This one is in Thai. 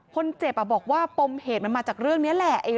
คนเจ็บบอกว่าปมเหตุมันมาจากเรื่องนี้แหละ